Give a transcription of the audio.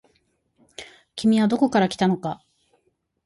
君はどこから来たのか。